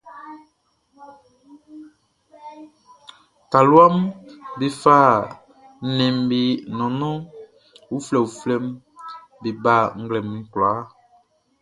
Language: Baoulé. Taluaʼm be fa nnɛnʼm be nɔnnɔn uflɛuflɛʼn be ba nglɛmun kwlaa.